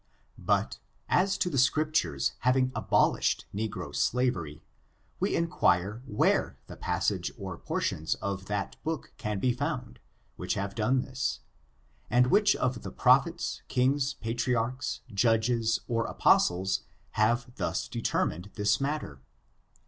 But, as to the Scriptures having abolished negro slavery, we inquire where the passage or portions of that book can be found, which have done this ; and wliich of the prophets, kings, patriarchs, judges, or \ FORTUNES, OF THE NEGRO RACE. 321 apostles, have thus determined this matter?